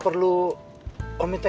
ya udah angkat aja